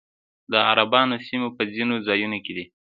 د عربانو سیمې په ځینو ځایونو کې دي